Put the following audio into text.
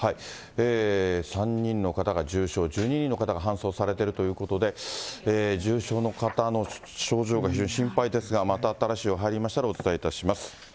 ３人の方が重症、１２人の方が搬送されているということで、重症の方の症状が非常に心配ですが、また新しい情報入りましたらお伝えいたします。